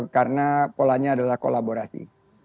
karena polanya adalah kolaborasi